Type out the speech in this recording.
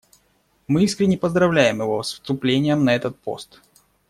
Мы искренне поздравляем его с вступлением на этот пост.